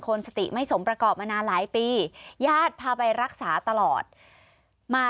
คนสติไม่สมประกอบมานานหลายปีญาติพาไปรักษาตลอดมา